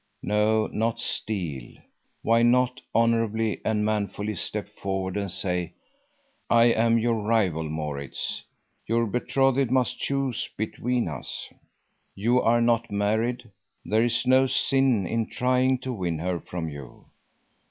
Nor, not steal! Why not honorably and manfully step forward and say: "I am your rival, Maurits. Your betrothed must choose between us. You are not married; there is no sin in trying to win her from you.